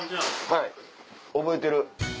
はい覚えてる。